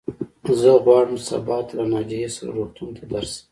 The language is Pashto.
زه غواړم سبا ته له ناجيې سره روغتون ته درشم.